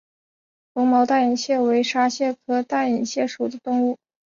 绒毛大眼蟹为沙蟹科大眼蟹属的动物。